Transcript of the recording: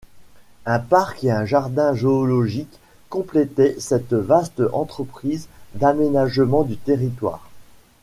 Un parc et un jardin zoologique complétaient cette vaste entreprise d'aménagement du territoire.